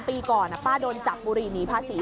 ปีก่อนป้าโดนจับบุหรี่หนีภาษี